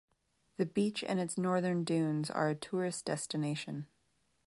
The beach and its northern dunes are a tourist destination.